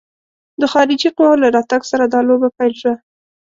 د خارجي قواوو له راتګ سره دا لوبه پیل شوه.